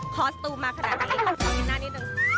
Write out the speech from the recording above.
คอสทูมาขนาดนี้เอากลับมาช่องหน้านิดนึง